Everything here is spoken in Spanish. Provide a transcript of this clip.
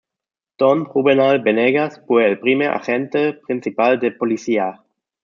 Don Juvenal Venegas, fue el primer Agente Principal de Policía.